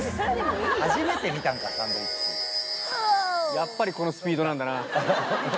やっぱりこのスピードなんだな。